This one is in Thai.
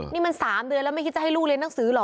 นี่มัน๓เดือนแล้วไม่คิดจะให้ลูกเรียนหนังสือเหรอ